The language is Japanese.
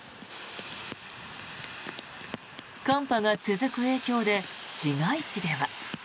寒波が続く影響で市街地では。